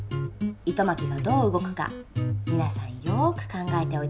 糸まきがどう動くかみなさんよく考えておいて下さいね。